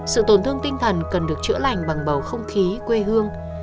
sự tổn thương tinh thần cần được chữa lành bằng bầu không khí quê hương